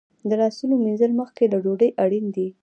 د لاسونو مینځل مخکې له ډوډۍ اړین دي.